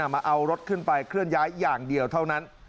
มาเอารถขึ้นไปเคลื่อนย้ายอย่างเดียวเท่านั้น